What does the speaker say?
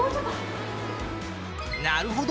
なるほど！